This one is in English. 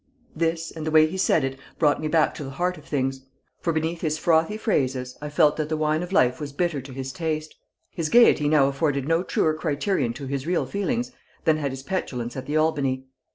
This, and the way he said it, brought me back to the heart of things; for beneath his frothy phrases I felt that the wine of life was bitter to his taste. His gayety now afforded no truer criterion to his real feelings than had his petulance at the Albany.